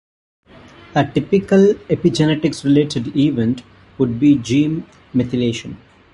A typical epigenetics-related event would be gene methylation.